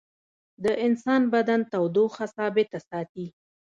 د انسان بدن تودوخه ثابته ساتي